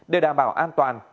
để đảm bảo an toàn